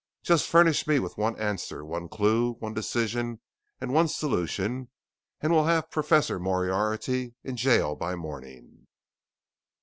Just furnish me with one answer, one clue, one decision, and one solution and we'll have Professor Moriarity in gaol by morning."